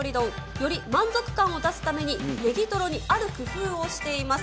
より満足感を出すためにネギトロにある工夫をしています。